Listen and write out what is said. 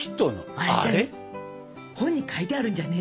本に書いてあるんじゃね？